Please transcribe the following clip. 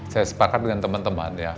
saya sepakat dengan teman teman ya